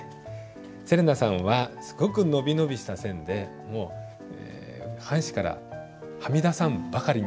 せれなさんはすごくのびのびした線で半紙からはみ出さんばかりに書けましたね。